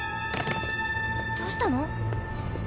どうしたの？